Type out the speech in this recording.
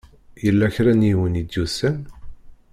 Yella kra n yiwen i d-yusan?